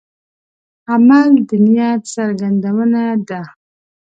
عمل د نیت څرګندونه ده.